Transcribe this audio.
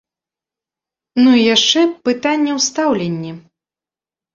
Ну і яшчэ, пытанне ў стаўленні.